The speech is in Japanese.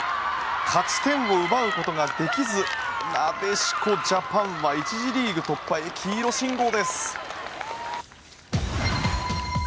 勝ち点を奪うことができずなでしこジャパンは１次リーグ突破へ黄色信号です。